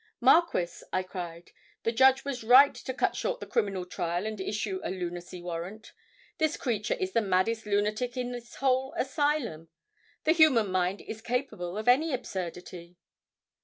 "Marquis," I cried, "the judge was right to cut short the criminal trial and issue a lunacy warrant. This creature is the maddest lunatic in this whole asylum. The human mind is capable of any absurdity."